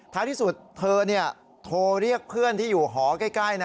ที่สุดเธอโทรเรียกเพื่อนที่อยู่หอใกล้นะ